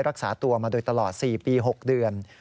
รักษาตัวมาโดยตลอด๔ปี๖เดือน